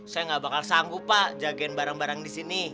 saya nggak bakal sanggup pak jagain barang barang di sini